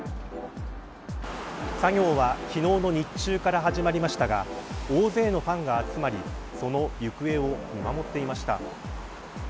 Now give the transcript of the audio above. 作業は昨日の日中から始まりましたが大勢のファンが集まりその行方を見守っていました。